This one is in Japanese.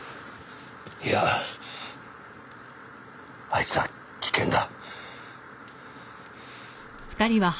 いやあいつは危険だ。